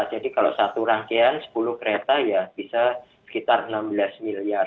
jadi kalau satu rangkaian sepuluh kereta ya bisa sekitar enam belas miliar